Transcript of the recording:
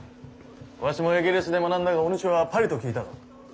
わしもエゲレスで学んだがお主はパリと聞いたぞ。